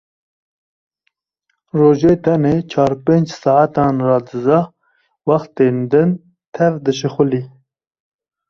Rojê tenê çar pênc saetan radiza, wextên din tev dişixulî.